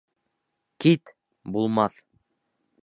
Кит, булмаҫ!